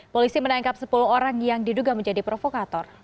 polisi menangkap sepuluh orang yang diduga menjadi provokator